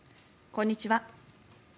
こんにちは。